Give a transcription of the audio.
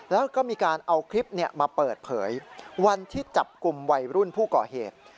แล้วก็มีการเอาคลิปมาเปิดเผยวันที่จับกลุ่มวัยรุ่นผู้ก่อเหตุ